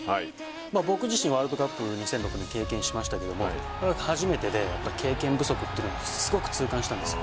僕自身ワールドカップ２００６経験しましたけど初めてで経験不足というのはすごく痛感したんです。